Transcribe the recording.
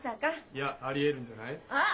いやありえるんじゃない？